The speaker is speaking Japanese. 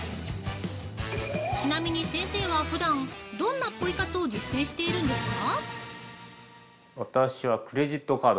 ちなみに、先生はふだんどんなポイ活を実践しているんですか？